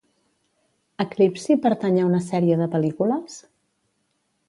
Eclipsi pertany a una sèrie de pel·lícules?